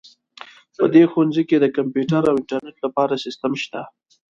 په دې ښوونځي کې د کمپیوټر او انټرنیټ لپاره سیسټم شته